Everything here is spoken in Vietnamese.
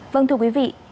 vâng thưa quý vị